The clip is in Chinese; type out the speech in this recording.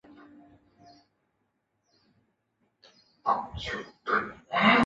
另外一个拥有长毛的猪种英格兰林肯郡卷毛猪目前已经灭绝。